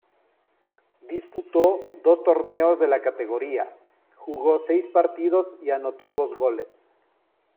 Disputó dos torneos de la categoría, jugó seis partidos y anotó dos goles.